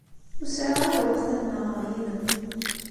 Ur sɛiɣ ara lweqt ad nnaɣeɣ yid-m.